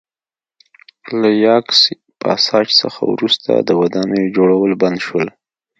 له یاکس پاساج څخه وروسته د ودانیو جوړول بند شول